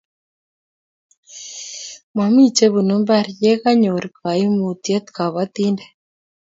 mami chebunu mbar ya kanyor kaimutiet kabatindet